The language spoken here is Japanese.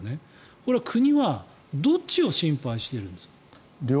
これは国はどっちを心配しているんですか。